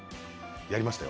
やりましたよ。